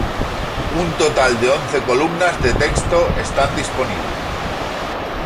Un total de once columnas de texto están disponibles.